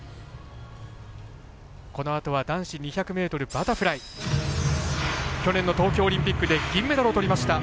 このあとは男子２００ｍバタフライ去年の東京オリンピックで銀メダルを取りました